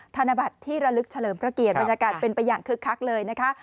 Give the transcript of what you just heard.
ธนบัตรที่ระลึกเฉลิมพระเกียรติบรรยากาศเป็นไปอย่างคึกคักเลยนะคะ